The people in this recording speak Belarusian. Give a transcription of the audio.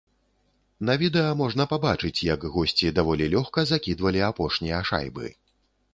На відэа можна пабачыць, як госці даволі лёгка закідвалі апошнія шайбы.